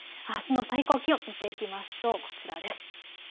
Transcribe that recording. あすの最高気温を見ていきますとこちらです。